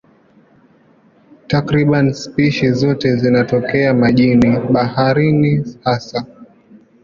Takriban spishi zote zinatokea majini, baharini hasa.